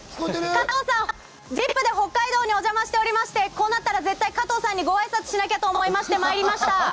加藤さん、『ＺＩＰ！』で北海道にお邪魔しておりまして、こうなったら絶対に加藤さんにご挨拶しなきゃと思ってまいりました。